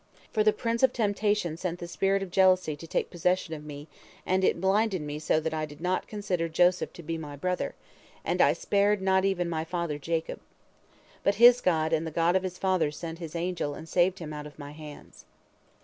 For the prince of temptation sent the spirit of jealousy to take possession of me, and it blinded me so that I did not consider Joseph to be my brother, and I spared not even my father Jacob. But his God and the God of his fathers sent His angel and saved him out of my hands.